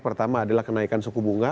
pertama adalah kenaikan suku bunga